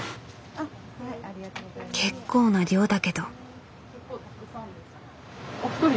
結構な量だけど。